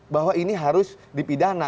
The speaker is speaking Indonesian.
bahwa ini harus dipidana